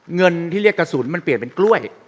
เงินที่เรียกกระสุนมันเปลี่ยนเป็นกล้วย